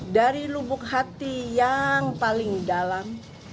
dari lubuk hati yang paling dalam